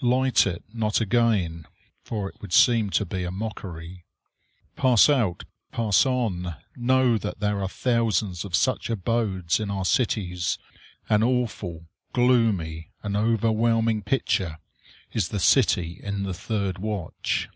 Light it not again, for it would seem to be a mockery. Pass out! Pass on! Know that there are thousands of such abodes in our cities. An awful, gloomy, and overwhelming picture is the city in the third watch.